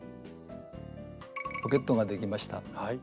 ポケットができました。